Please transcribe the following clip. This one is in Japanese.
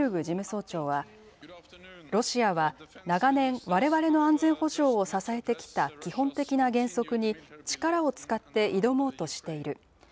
事務総長は、ロシアは長年、われわれの安全保障を支えてきた基本的な原則に、力を使って挑もうとしている。